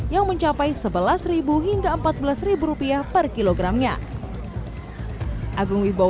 yang mencapai rp sebelas hingga rp empat belas per kilogramnya